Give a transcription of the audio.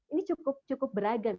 ini cukup beragam